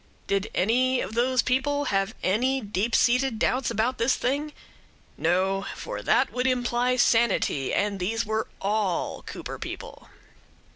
Did any of those people have any deep seated doubts about this thing? No; for that would imply sanity, and these were all Cooper people.